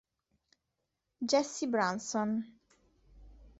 Jesse Branson